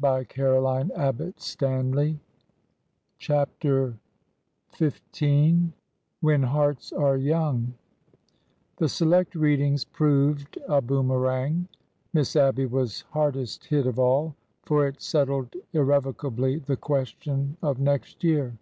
It was n't the child's fault 1 CHAPTER XV WHEN HEARTS ARE YOUNG HE Select Readings " proved a boomerang. Miss 1 Abby was hardest hit of all,— for it settled irrevo cably the question of next year.